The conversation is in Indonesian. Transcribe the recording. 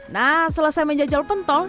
nah selesai menjajal pentol